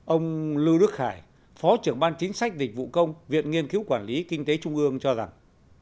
ông lưu đức khải phó trưởng ban chính sách dịch vụ công viện nghiên cứu quản lý kinh tế trung ương cho rằng